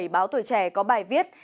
báo tuổi trẻ có bài viết